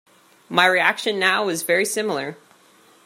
My reaction now was very similar.